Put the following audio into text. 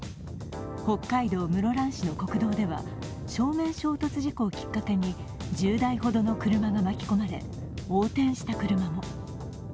北海道室蘭市の国道では正面衝突事故をきっかけに１０台ほどの車が巻き込まれ、横転した車も。